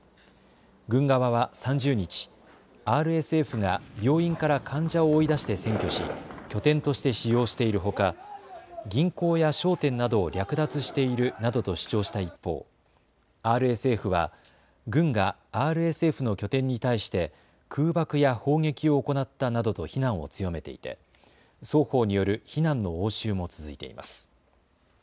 軍側は３０日、ＲＳＦが病院から患者を追い出して占拠し、拠点として使用しているほか銀行や商店などを略奪しているなどと主張した一方、ＲＳＦは軍がＲＳＦの拠点に対して空爆や砲撃を行ったなどと非難を強めていて、双方による非難の応酬も続いています。